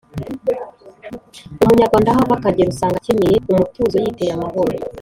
umunyarwanda aho ava akagera usanga akenyeye umutuzo yiteye amahoro